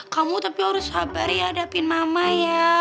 kamu tapi harus sabar ya hadapin mama ya